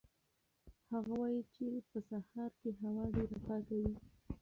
هغه وایي چې په سهار کې هوا ډېره پاکه وي.